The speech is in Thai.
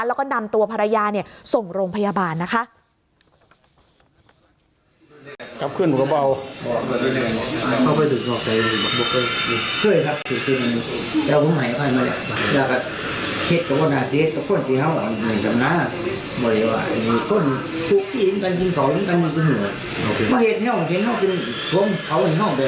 แล้วก็นำตัวภรรยาส่งโรงพยาบาลนะคะ